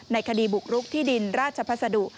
คดีบุกรุกที่ดินราชพัสดุ